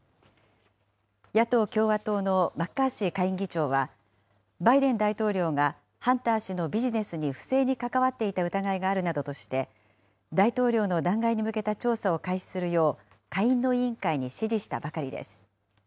野党・共和党のマッカーシー下院議長は、バイデン大統領がハンター氏のビジネスに不正に関わっていた疑いがあるなどとして、大統領の弾劾に向けた調査を開始するよう、下院の委員会に指示したばかりです。